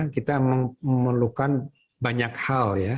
kita memerlukan banyak hal ya